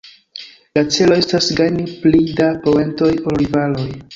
La celo estas gajni pli da poentoj ol rivaloj.